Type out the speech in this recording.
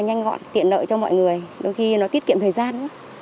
nó rất ngọn tiện lợi cho mọi người đôi khi nó tiết kiệm thời gian